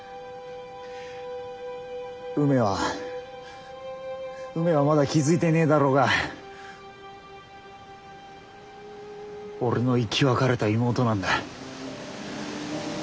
梅は梅はまだ気付いてねえだろうが俺の生き別れた妹なんだ。